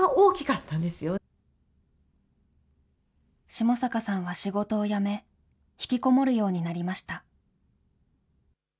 下坂さんは仕事を辞め、引きこもるようになりました。